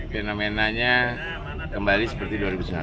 fenomenanya kembali seperti dua ribu sembilan belas